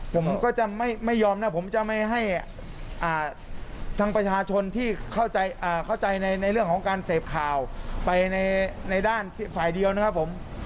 ผมก็จะไม่ยอมนะผมจะไม่ให้ทางประชาชนที่เข้าใจในเรื่องของการเสพข่าวไปในด้านฝ่ายเดียวนะครับผม